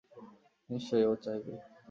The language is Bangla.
নিশ্চয়, ও চাইবে।